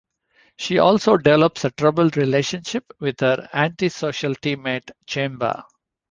She also develops a troubled relationship with her antisocial teammate Chamber.